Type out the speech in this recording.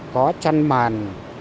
có chăn màn